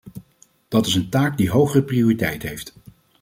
Dat is een taak die hoge prioriteit heeft.